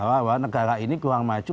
bahwa negara ini kurang maju